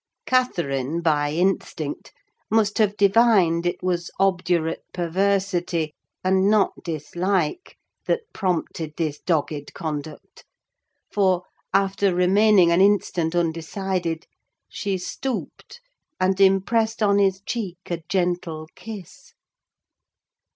Catherine, by instinct, must have divined it was obdurate perversity, and not dislike, that prompted this dogged conduct; for, after remaining an instant undecided, she stooped and impressed on his cheek a gentle kiss.